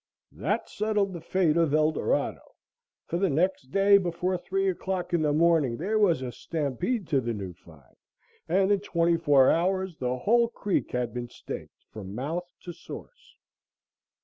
That settled the fate of Eldorado, for the next day before three o'clock in the morning there was a stampede to the new find, and in twenty four hours the whole creek had been staked from mouth to source.